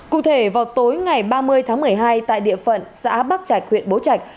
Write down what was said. cụ thể vào tối ngày ba mươi tháng một mươi hai tại địa phận xã bắc trạch huyện bố trạch